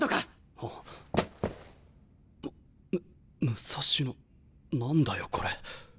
む武蔵野何だよこれ。